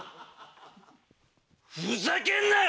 ふざけんなよ！